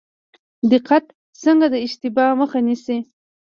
دقت څنګه د اشتباه مخه نیسي؟